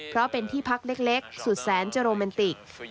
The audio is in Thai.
เพราะเป็นที่พักเล็กสุดแสนจะโรแมนติก